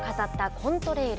コントレイル